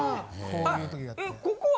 ここは？